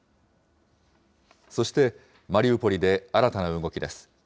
そして、マリウポリで新たな動きです。